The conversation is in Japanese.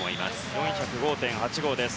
４０５．８５です。